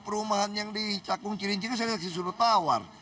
perumahan yang dicakung cirin cirin saya kasih suruh tawar